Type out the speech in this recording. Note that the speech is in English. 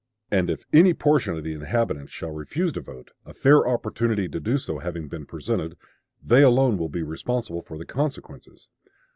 And "if any portion of the inhabitants shall refuse to vote, a fair opportunity to do so having been presented, ... they alone will be responsible for the consequences."